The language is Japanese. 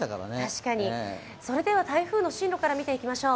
確かに、それでは台風の進路から見ていきましょう。